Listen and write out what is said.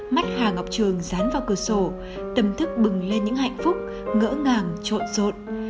mắt hà ngọc trường dán vào cửa sổ tâm thức bừng lên những hạnh phúc ngỡ ngàng trộn rộn